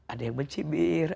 ada yang mencibir